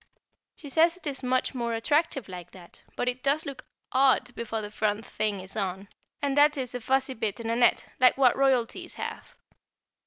She says it is much more attractive like that, but it does look odd before the front thing is on, and that is a fuzzy bit in a net, like what Royalties have.